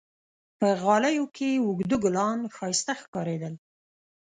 په غالیو کې اوږده ګلان ښایسته ښکارېدل.